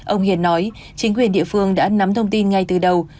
ông hiền nói chính quyền địa phương đã nắm thông tin ngay từ đầu